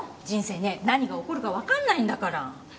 人生ね何が起こるかわかんないんだから。